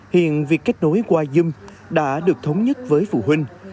hiện việc kết nối qua dung đã được thống nhất với phụ huynh